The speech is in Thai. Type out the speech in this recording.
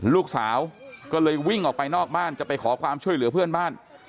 ลูกสาวก็เลยวิ่งออกไปนอกบ้านจะไปขอความช่วยเหลือเพื่อนบ้าน